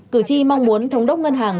cử tri mong muốn thống đốc ngân hàng